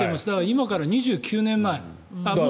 今から２９年前。